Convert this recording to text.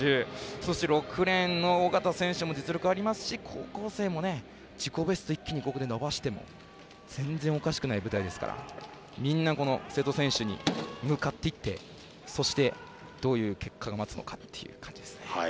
そして６レーンの小方選手も実力ありますし高校生も自己ベスト一気に、ここで伸ばしても全然おかしくない舞台ですからみんな瀬戸選手に向かっていってそして、どういう結果が待つのかっていう感じですね。